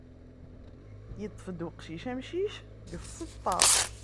Yeṭṭef-d uqcic amcic seg tseṭṭa.